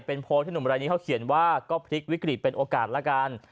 เป็นโพสต์ที่หนุ่มรายนี้เขาเขียนว่าก็พลิกวิกฤตเป็นโอกาสละกัน